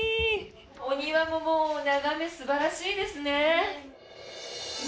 お庭ももう眺め、素晴らしいですね。